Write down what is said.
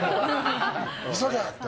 急げって。